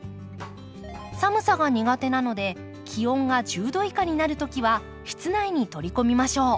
寒さが苦手なので気温が１０度以下になる時は室内に取り込みましょう。